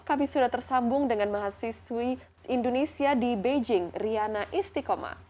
kami sudah tersambung dengan mahasiswi indonesia di beijing riana istiqomah